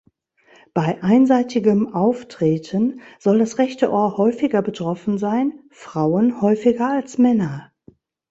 Bei einseitigem Auftreten soll das rechte Ohr häufiger betroffen sein, Frauen häufiger als Männer.